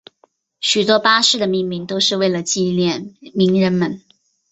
许多巴士的命名都是为了纪念名人们。